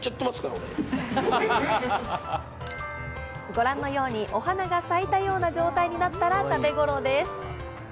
ご覧のようにお花が咲いたような状態になったら食べ頃です。